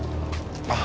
あっ。